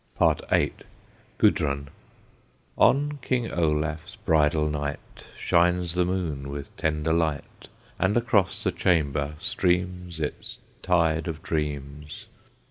VIII. GUDRUN. On King Olaf's bridal night Shines the moon with tender light, And across the chamber streams Its tide of dreams.